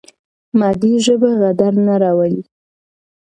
مادي ژبه غدر نه راولي.